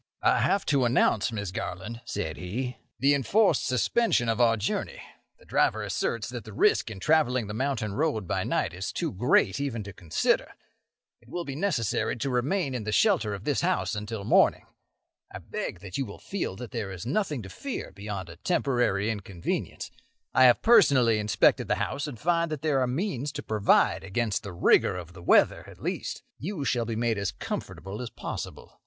"I have to announce, Miss Garland," said he, "the enforced suspension of our journey. The driver asserts that the risk in travelling the mountain road by night is too great even to consider. It will be necessary to remain in the shelter of this house until morning. I beg that you will feel that there is nothing to fear beyond a temporary inconvenience. I have personally inspected the house, and find that there are means to provide against the rigour of the weather, at least. You shall be made as comfortable as possible.